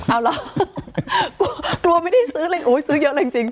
เอาเหรอกลัวไม่ได้ซื้อเลยโอ้ยซื้อเยอะเลยจริง